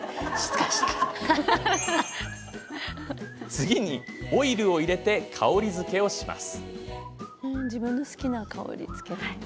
次にオイルを入れて香りづけをします。